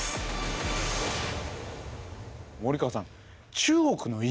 森川さん